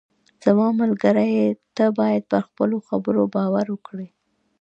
زما ملګری، ته باید پر خپلو خبرو باور وکړې.